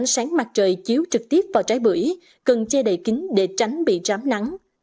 sáng mặt trời chiếu trực tiếp vào trái bưởi cần che đầy kính để tránh bị rám nắng